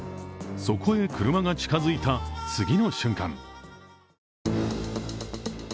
そこへ車が近づいた次の瞬間。